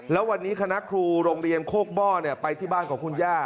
แล้ววันนี้คณะครูโรงเรียนโคกหม้อไปที่บ้านของคุณย่า